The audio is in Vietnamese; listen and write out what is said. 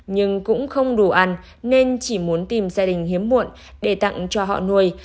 nhưng cũng không đủ ăn nên chỉ muốn tìm gia đình hiếm muộn để tặng cho họ nuôi